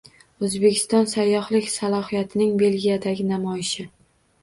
O‘zbekiston sayyohlik salohiyatining Belgiyadagi namoyishi